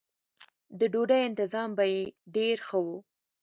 د ډوډۍ انتظام به یې ډېر ښه و.